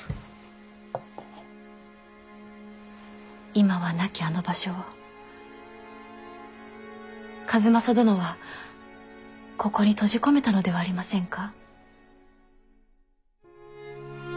今はなきあの場所を数正殿はここに閉じ込めたのではありませんか？